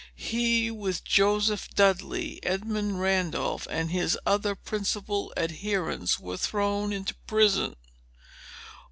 He, with Joseph Dudley, Edmund Randolph, and his other principal adherents, were thrown into prison.